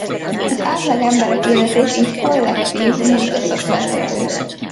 Az átlagemberek életét így kollektív mítoszok vezérlik.